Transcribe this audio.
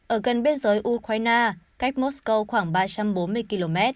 ở gần biên giới ukraine cách mosco khoảng ba trăm bốn mươi km